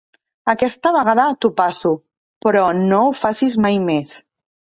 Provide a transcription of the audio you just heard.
Aquesta vegada t'ho passo, però no ho facis mai més.